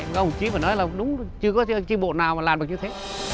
các ông chí mới nói là đúng chưa có chi bộ nào mà làm được như thế